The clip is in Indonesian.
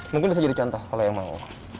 mungkin bisa jadi contoh kalau yang mau